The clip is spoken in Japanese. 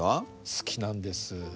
好きなんです。